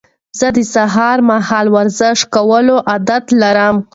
زه د سهار مهال ورزش کولو عادت لرم.